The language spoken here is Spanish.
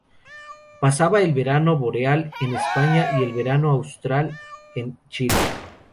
Pasaba el verano boreal en España y el verano austral en Chile.